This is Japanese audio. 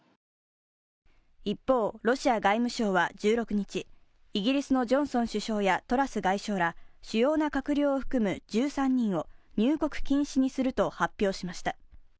一方、ロシア外務省は１６日、イギリスのジョンソン首相やトラス外相ら、主要な閣僚を含む１３人を入国禁止にすると発表しました。